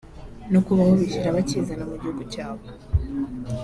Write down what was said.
no kubaho bishyira bakizana mu gihugu cyabo